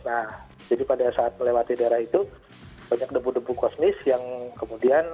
nah jadi pada saat melewati daerah itu banyak debu debu kosmis yang kemudian